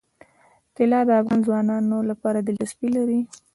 طلا د افغان ځوانانو لپاره دلچسپي لري.